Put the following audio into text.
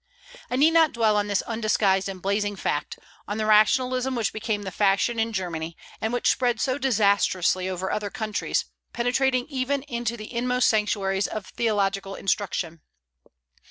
I need not dwell on this undisguised and blazing fact, on the rationalism which became the fashion in Germany, and which spread so disastrously over other countries, penetrating even into the inmost sanctuaries of theological instruction.